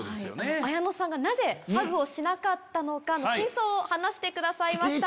綾野さんがなぜハグをしなかったのか真相を話してくださいました。